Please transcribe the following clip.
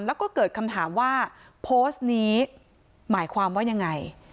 แล้วก็เกิดคำถามว่าโพสต์นี้หมายความว่ายังไง